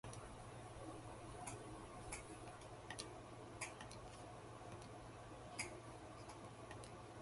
ただ、僕が答える前にねえと君は言った